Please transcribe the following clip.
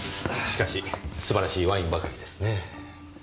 しかし素晴らしいワインばかりですねぇ。